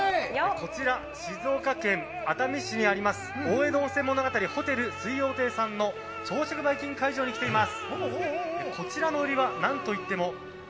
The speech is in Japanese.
こちら、静岡県熱海市にあります、大江戸温泉物語ホテル水葉亭さんの朝食バイキング会場に来ています。